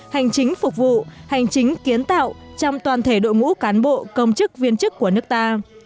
hành chính phục vụ hành chính kiến tạo trong toàn thể đội ngũ cán bộ công chức viên chức của nước ta